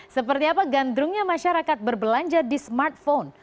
seperti apa gandrungnya masyarakat berbelanja di smartphone